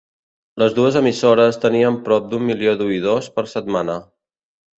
Les dues emissores tenien prop d'un milió d'oïdors per setmana.